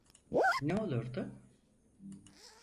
Ne olurdu?